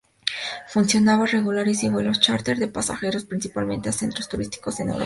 Funcionaba regulares y vuelos chárter de pasajeros, principalmente a centros turísticos en Europa.